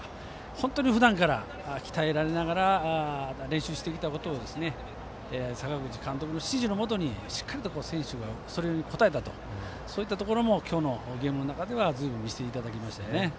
本当にふだんから鍛えられながら練習してきたことを阪口監督の指示のもとにしっかりと選手がそれに応えたというところも今日のゲームの中ではずいぶん見せていただきましたね。